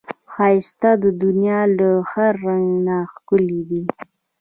ښایست د دنیا له هر رنګ نه ښکلی دی